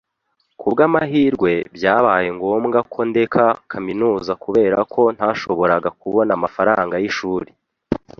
Kubwamahirwe, byabaye ngombwa ko ndeka kaminuza kubera ko ntashoboraga kubona amafaranga y'ishuri.